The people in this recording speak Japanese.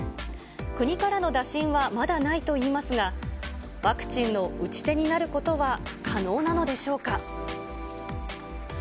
国からの打診はまだないといいますが、ワクチンの打ち手になることは可能なのでしょうか。